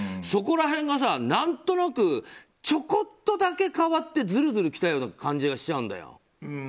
そこら辺が何となくちょこっとだけ変わってずるずる来たような感じがしちゃうんだよ。